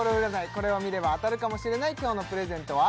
これを見れば当たるかもしれない今日のプレゼントは？